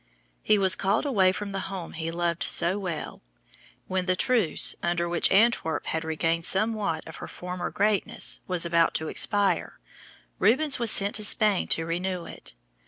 He was called away from the home he loved so well. In 1619, when the truce, under which Antwerp had regained somewhat of her former greatness, was about to expire, Rubens was sent to Spain to renew it.